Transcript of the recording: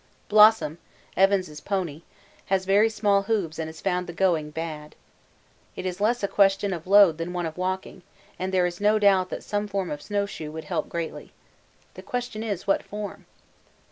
Blossom, Evans' pony, has very small hoofs and found the going very bad. It is less a question of load than one of walking, and there is no doubt that some form of snow shoe would help greatly. The question is, what form?